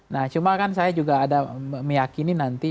nah cuma kan saya juga ada meyakini nanti